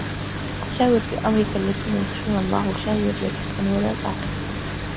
شاور في أمرك الذين يخشون الله شاور لبيباً ولا تعصه